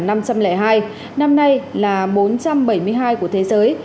năm nay là bốn trăm bảy mươi hai của thế giới